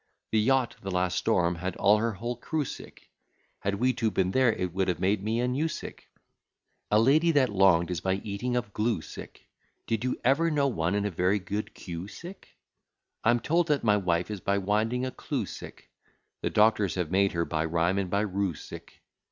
The yacht, the last storm, had all her whole crew sick; Had we two been there, it would have made me and you sick: A lady that long'd, is by eating of glue sick; Did you ever know one in a very good Q sick? I'm told that my wife is by winding a clew sick; The doctors have made her by rhyme and by rue sick.